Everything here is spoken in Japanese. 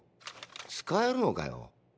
使えるのかよ？